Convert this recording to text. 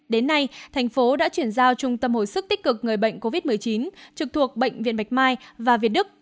đến nay thành phố đã chuyển giao trung tâm hồi sức tích cực người bệnh covid một mươi chín trực thuộc bệnh viện bạch mai và việt đức